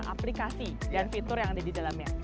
aplikasi dan fitur yang ada di dalamnya